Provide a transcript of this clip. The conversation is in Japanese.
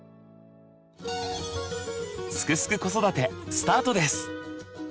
「すくすく子育て」スタートです！